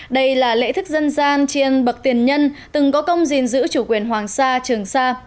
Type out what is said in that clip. đây là lễ thức dân gian chiêng bậc tiền nhân từng có công gìn giữ chủ quyền hoàng sa trường sa